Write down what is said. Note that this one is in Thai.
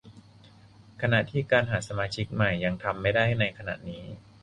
ขณะที่การหาสมาชิกใหม่ยังทำไม่ได้ในขณะนี้